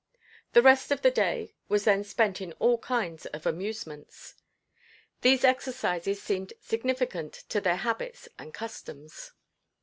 The rest of the day was then spent in all kinds of amusements. These exercises seemed significant to their habits and customs.